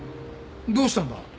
どうしたんだ？